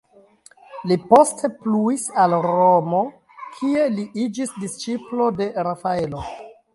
Li poste pluis al Romo, kie li iĝis disĉiplo de Rafaelo.